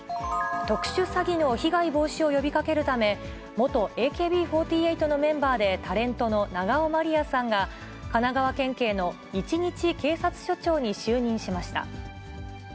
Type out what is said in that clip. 特殊詐欺の被害防止を呼びかけるため、元ＡＫＢ４８のメンバーでタレントの永尾まりやさんが、神奈川県警の一日警察署長に就任しました。